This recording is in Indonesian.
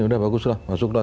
udah baguslah masuklah